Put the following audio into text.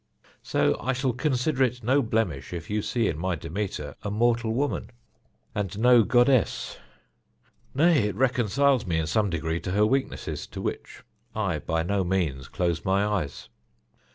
So I shall consider it no blemish if you see in my Demeter a mortal woman, and no goddess; nay, it reconciles me in some degree to her weaknesses, to which I by no means close my eyes.